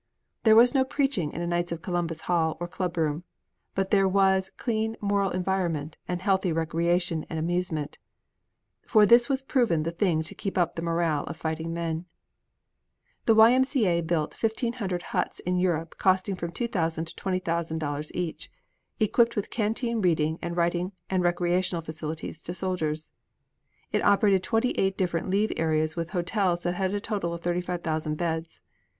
There was no preaching in a Knights of Columbus hall or club room, but there was clean moral environment and healthy recreation and amusement, for this was proven the thing to keep up the morale of fighting men. The Y. M. C. A. built 1,500 huts in Europe costing from $2,000 to $20,000 each, equipped with canteen, reading and writing and recreational facilities to soldiers. It operated twenty eight different leave areas with hotels that had a total of 35,000 beds.